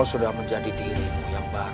sudah menjadi dirimu yang baru